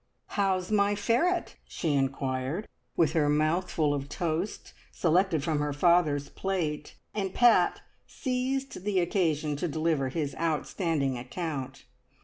"How's my ferret?" she inquired, with her mouth full of toast, selected from her father's plate; and Pat seized the occasion to deliver his outstanding account.